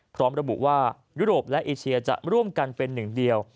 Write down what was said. พร้อมระบุว่ายุโรปและเอเชียจะร่วมกันเป็นหนึ่งเดียว